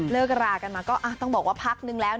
เลิกก็รากันมาก็อ๊ะต้องบอกว่าพักนึงแล้วหน่อ